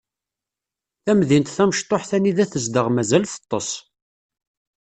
Tamdint tamecṭuḥt anida tezdeɣ mazal teṭṭes.